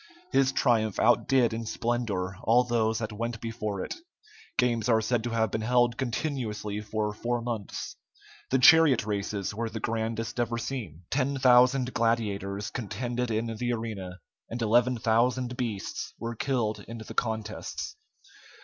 His triumph outdid in splendor all those that went before it. Games are said to have been held continuously for four months. The chariot races were the grandest ever seen. Ten thousand gladiators contended in the arena, and eleven thousand beasts were killed in the contests.